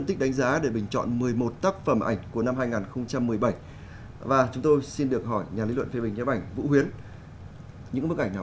tức là việt nam vẫn có nhiều vẻ đẹp